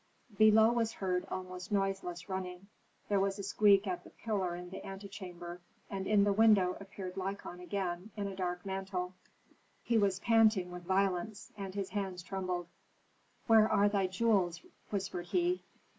Below was heard almost noiseless running; there was a squeak at the pillar in the antechamber, and in the window appeared Lykon again in a dark mantle. He was panting with violence, and his hands trembled. "Where are thy jewels?" whispered he.